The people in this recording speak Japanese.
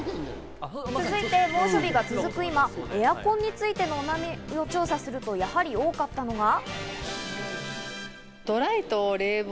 続いて、猛暑日が続く今、エアコンについてのお悩みを調査すると、やはり多かったのが。